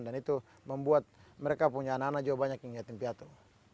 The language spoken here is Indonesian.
dan itu membuat mereka punya anak anak jauh banyak yang ingatin piatu